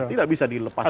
tidak bisa dilepaskan